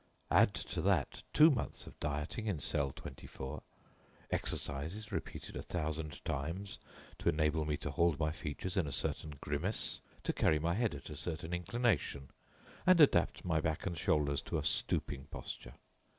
Add to that two months of dieting in cell 24; exercises repeated a thousand times to enable me to hold my features in a certain grimace, to carry my head at a certain inclination, and adapt my back and shoulders to a stooping posture.